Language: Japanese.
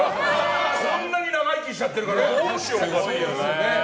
こんなに長生きしちゃってるからどうしようって。